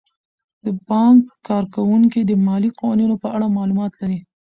د بانک کارکوونکي د مالي قوانینو په اړه معلومات لري.